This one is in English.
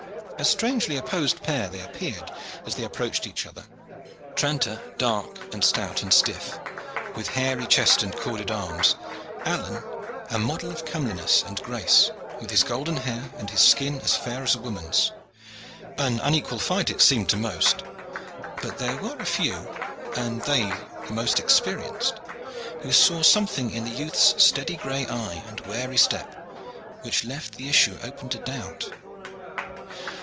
A strangely opposed pair they appeared as they approached each other: Tranter dark and stout and stiff, with hairy chest and corded arms, Alleyne a model of comeliness and grace, with his golden hair and his skin as fair as a woman's. An unequal fight it seemed to most; but there were a few, and they the most experienced, who saw something in the youth's steady gray eye and wary step which left the issue open to doubt.